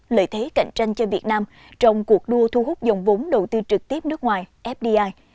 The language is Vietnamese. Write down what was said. lợi thế cạnh tranh cho việt nam trong cuộc đua thu hút dòng vốn đầu tư trực tiếp nước ngoài fdi